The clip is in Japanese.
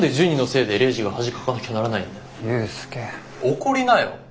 怒りなよ。